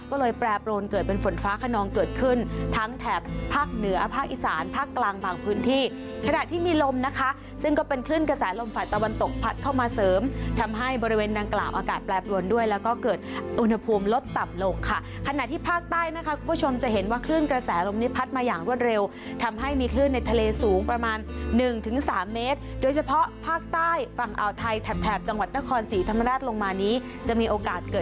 วันตกพัดเข้ามาเสริมทำให้บริเวณดังกล่าวอากาศแปลบลวนด้วยแล้วก็เกิดอุณหภูมิลดต่ำลงค่ะขณะที่ภาคใต้นะคะคุณผู้ชมจะเห็นว่าคลื่นกระแสลมนี้พัดมาอย่างรวดเร็วทำให้มีคลื่นในทะเลสูงประมาณ๑๓เมตรโดยเฉพาะภาคใต้ฝั่งอ่าวไทยแถบจังหวัดนครศรีธรรมรัฐลงมานี้จะมีโอกาสเก